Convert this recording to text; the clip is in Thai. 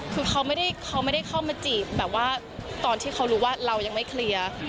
คือเขาไม่ได้เข้ามาจีบแบบว่าตอนที่เขารู้ว่าเรายังไม่เคลียร์